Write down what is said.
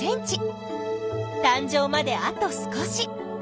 たん生まであと少し。